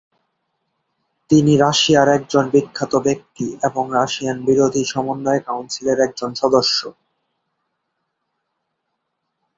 তিনি রাশিয়ার একজন বিখ্যাত ব্যক্তি এবং রাশিয়ান বিরোধী সমন্বয় কাউন্সিলের একজন সদস্য।